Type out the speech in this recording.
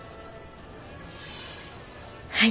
はい。